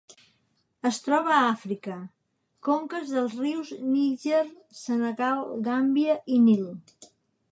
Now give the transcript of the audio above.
Es troba a Àfrica: conques dels rius Níger, Senegal, Gàmbia i Nil.